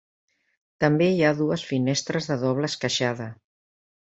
També hi ha dues finestres de doble esqueixada.